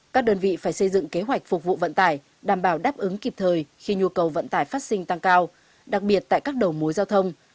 các đơn vị phải xây dựng kế hoạch phục vụ vận tải đảm bảo đáp ứng kịp thời khi nhu cầu vận tải phát sinh tăng cao đặc biệt tại các đầu mối giao thông